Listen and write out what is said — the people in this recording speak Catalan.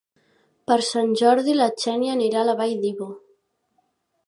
Per Sant Jordi na Xènia anirà a la Vall d'Ebo.